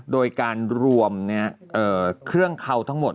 โดยการรวมเครื่องเขาทั้งหมด